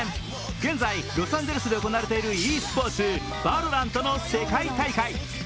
現在ロサンゼルスで行われているｅスポーツ、「ＶＡＬＯＲＡＮＴ」の世界大会。